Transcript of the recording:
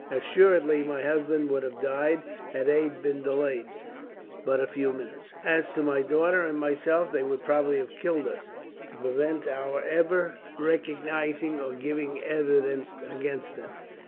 "Assuredly my husband would have died, had aid been delayed but a few minutes. As to my daughter and myself, they would probably have killed us, to prevent our ever recognizing or giving evidence against them.